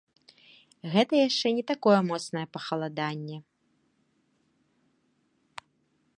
Гэта яшчэ не такое моцнае пахаладанне.